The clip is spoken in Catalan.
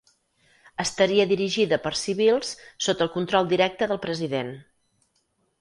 Estaria dirigida per civils sota el control directe del president.